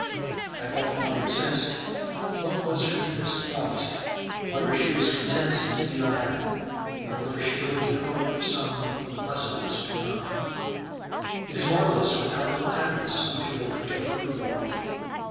I have often wondered since, what was her deepest thought whether she was content to be unhappy, or whether she lived in hope of some blessedness beyond. It is marvellous with how little happiness some people can get through the world.